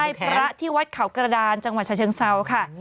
ให้พระที่วัดเขากระดานจังหวัดชาเชิงเซาค่ะ